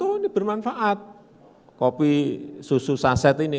oh ini bermanfaat kopi susu saset ini